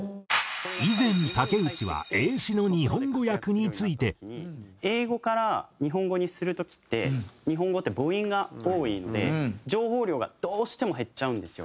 以前竹内は英語から日本語にする時って日本語って母音が多いので情報量がどうしても減っちゃうんですよ。